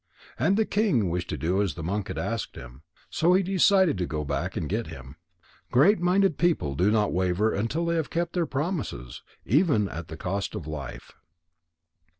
And the king wished to do as the monk had asked him; so he decided to go back and get him. Great minded people do not waver until they have kept their promises, even at the cost of life.